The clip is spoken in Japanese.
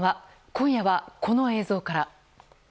今夜はこの映像から。